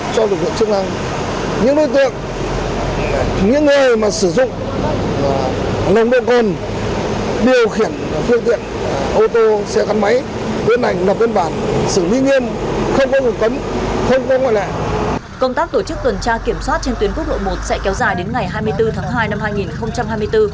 công tác tổ chức tuần tra kiểm soát trên tuyến quốc lộ một sẽ kéo dài đến ngày hai mươi bốn tháng hai năm hai nghìn hai mươi bốn